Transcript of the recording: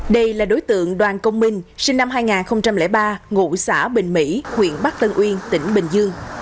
đây là đối tượng đoàn công minh sinh năm hai nghìn ba ngụ xã bình mỹ huyện bắc tân uyên tỉnh bình dương